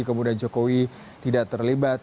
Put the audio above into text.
kemudian jokowi tidak terlibat